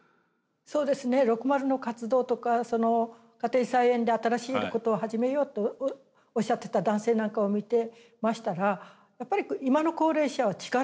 そうですねロクマルの活動とか家庭菜園で新しいことを始めようとおっしゃってた男性なんかを見てましたらやっぱり今の高齢者は力を持ってる。